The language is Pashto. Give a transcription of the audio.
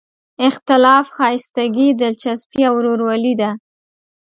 اختلاف ښایستګي، دلچسپي او ورورولي ده.